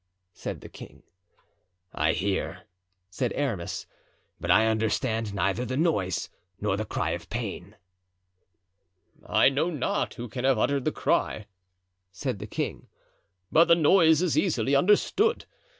said the king. "I hear," said Aramis, "but I understand neither the noise nor the cry of pain." "I know not who can have uttered the cry," said the king, "but the noise is easily understood.